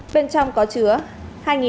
bên trong có chứa hai nghìn hai trăm linh kg